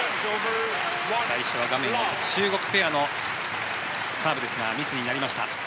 最初は画面奥、中国ペアのサーブですがミスになりました。